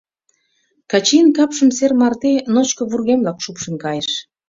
Качийын капшым сер марте ночко вургемлак шупшын кайыш.